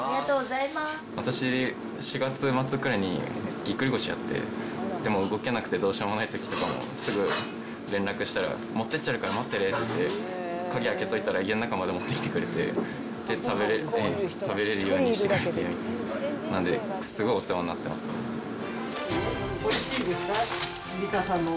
私、４月末くらいにぎっくり腰やって、でも、動けなくてどうしようもないときとかも、すぐ連絡したら、持ってってあげるから待ってて、鍵開けといたら、家の中まで持ってきてくれて、それで食べれるようにしてくれて、なんで、すごいお世話になっておいしいですか？